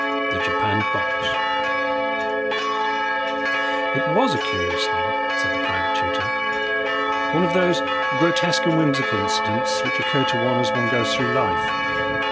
The Japanned Box It WAS a curious thing, said the private tutor; one of those grotesque and whimsical incidents which occur to one as one goes through life.